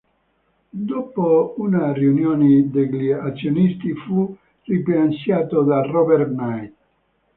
Dopo una riunione degli azionisti fu rimpiazzato da Robert Knight.